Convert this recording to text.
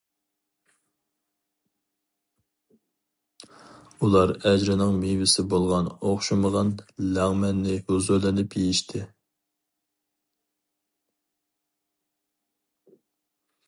ئۇلار ئەجرىنىڭ مېۋىسى بولغان ئوخشىغان لەڭمەننى ھۇزۇرلىنىپ يېيىشتى.